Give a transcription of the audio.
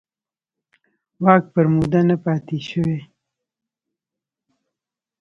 واک پر موده نه پاتې شوي.